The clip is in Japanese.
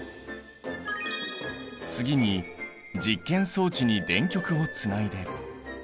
次に実験装置に電極をつないで。